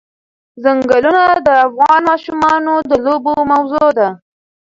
ځنګلونه د افغان ماشومانو د لوبو موضوع ده.